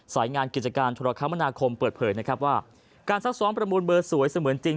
สายงานกิจการธุรกรรมนาคมเปิดเผยนะครับว่าการซักซ้อมประมูลเบอร์สวยเสมือนจริง